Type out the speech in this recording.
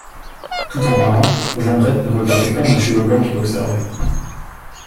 Tout en parlant, Jondrette ne regardait pas Monsieur Leblanc qui l’observait.